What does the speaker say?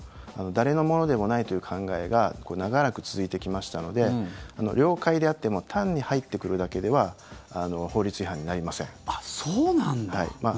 誰のものでもないという考えが長らく続いてきましたので領海であっても単に入ってくるだけではあっ、そうなんだ。